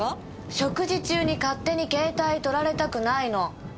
食事中に勝手に携帯撮られたくないの。